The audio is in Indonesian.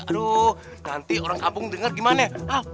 aduh nanti orang kampung dengar gimana ya